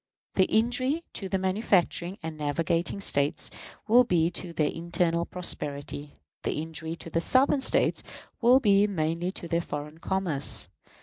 The injury to the manufacturing and navigating States will be to their internal prosperity. The injury to the Southern States will be mainly to their foreign commerce.